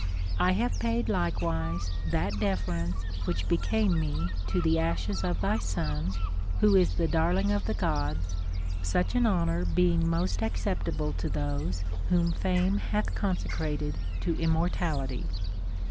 I have paid likewise that deference which became me to the ashes of thy son, wdio is the darling of the Gods, such an honor being most acceptable to those whom fame hath consecrated to immortality.